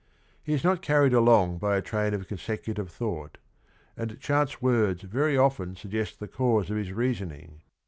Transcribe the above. He is not carried along by a train of consecutive thought, and chance words very often suggest the cause of his reason ing.